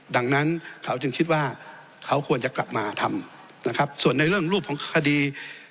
ดังนั้นเขาจึงคิดว่าเขาควรจะกลับมาทำนะครับส่วนในเรื่องรูปของคดี